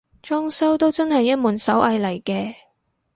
裝修都真係一門手藝嚟嘅